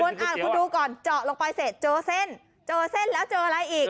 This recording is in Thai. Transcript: คุณดูก่อนเจาะลงไปเสร็จเจอเส้นเจอเส้นแล้วเจออะไรอีก